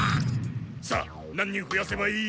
さあ何人増やせばいい？